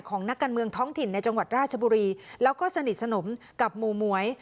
นักการเมืองท้องถิ่นในจังหวัดราชบุรีแล้วก็สนิทสนมกับหมู่หมวย